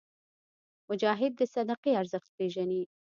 مجاهد د صدقې ارزښت پېژني.